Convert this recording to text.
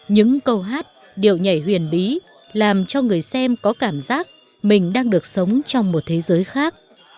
những câu hát điệu nhảy huyền bí làm cho người xem có cảm giác mình đang được sống trong một thế giới khác